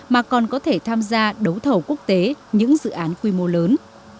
mà còn có thể tham gia đấu thầu quốc tế những dự án quy mô lớn